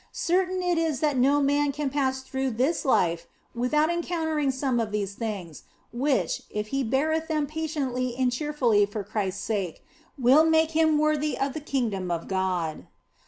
Certain is it that no man can pass through this life with out encountering some of these things, which, if he beareth them patiently and cheerfully for Christ s sake, will make him worthy of the kingdom of God.